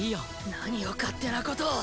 何を勝手なことを！